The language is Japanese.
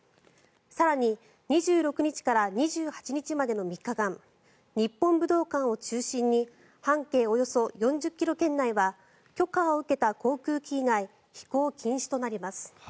更に２６日から２８日までの３日間日本武道館を中心に半径およそ４０ｋｍ圏内は許可を受けた航空機以外飛行禁止となります。